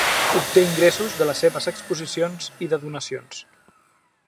Obté ingressos de les seves exposicions i de donacions.